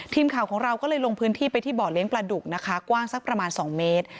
ทีมข่าวของเราก็เลยลงพื้นที่ไปที่บ่อเลี้ยงปลาดุกนะคะกว้างสักประมาณ๒เมตร